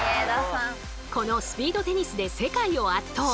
このスピードテニスで世界を圧倒！